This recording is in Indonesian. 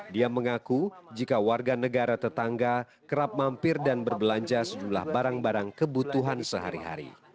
dia mengaku jika warga negara tetangga kerap mampir dan berbelanja sejumlah barang barang kebutuhan sehari hari